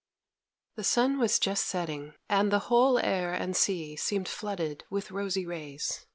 THE sun was just setting, and the whole air and sea seemed flooded with rosy rays.